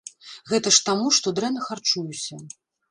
Гэта ж таму, што дрэнна харчуюся.